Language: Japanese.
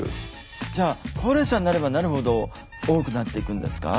じゃあ高齢者になればなるほど多くなっていくんですか？